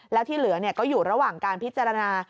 แล้วที่เหลือก็อยู่ระหว่างการพิจารณา